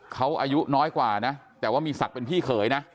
เขาอายุน้อยกว่านะแต่ว่ามีศักดิ์เป็นพี่เขยนะ